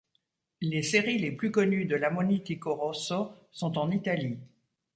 Les séries les plus connues de l'ammonitico rosso sont en Italie.